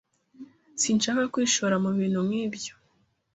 Sinshaka kwishora mubintu nkibyo.